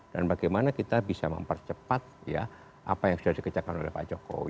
dan bagaimana kita bisa mempercepat ya apa yang sudah dikejarkan oleh pak jokowi